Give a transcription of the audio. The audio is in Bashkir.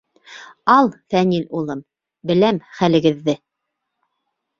— Ал, Фәнил улым, беләм хәлегеҙҙе.